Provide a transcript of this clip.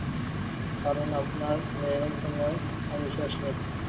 কারন আপনার মেয়ের কোন বিশ্বাস নেই।